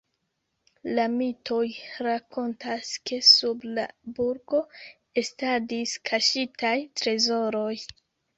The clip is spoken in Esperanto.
La mitoj rakontas, ke sub la burgo estadis kaŝitaj trezoroj.